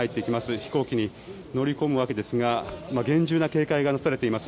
飛行機に乗り込むわけですが厳重な警戒がなされています。